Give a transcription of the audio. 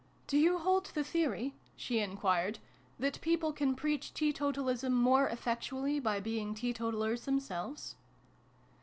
" Do you hold the theory," she enquired, " that people can preach teetotalism more effectually by be ing teetotalers themselves